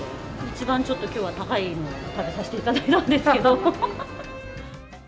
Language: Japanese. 一番、ちょっときょうは高いものを食べさせていただいたんですけど。